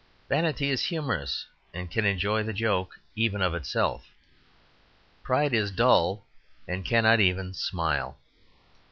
Vanity is humorous, and can enjoy the joke even of itself; pride is dull, and cannot even smile.